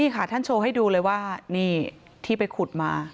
จะโชว์ให้ดูเลยว่าที่ไปขุดมา